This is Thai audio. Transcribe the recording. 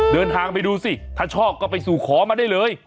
เดินทางไปดูสิถ้าชอบก็ไปสู่ขอมาได้เลย